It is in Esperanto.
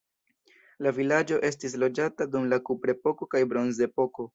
La vilaĝo estis loĝata dum la kuprepoko kaj bronzepoko.